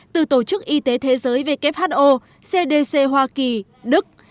từ tổ chức y tế thế giới who cdc hoa kỳ đức